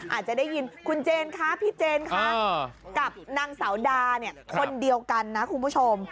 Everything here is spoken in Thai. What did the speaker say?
อาจจะได้ยินคุณเจนคะพี่เจนคะกับนางสาวดาเนี่ยคนเดียวกันนะคุณผู้ชม